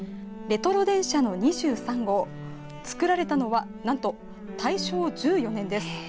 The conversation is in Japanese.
レトロ電車の２３号つくられたのは何と大正１４年です。